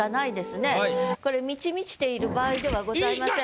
これ満ち満ちている場合ではございません。